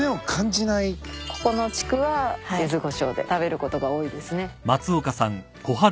・ここの地区はゆずこしょうで食べることが多いですね。